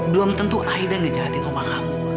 belum tentu aida ngejahatin sama kamu